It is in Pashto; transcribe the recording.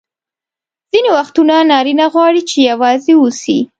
ځیني وختونه نارینه غواړي چي یوازي واوسي.